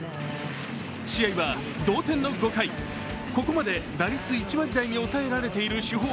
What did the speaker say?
試合は同点の５回、ここまで打率１割台に抑えられている主砲